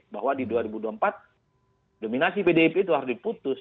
bahwa di dua ribu dua puluh empat dominasi pdip itu harus diputus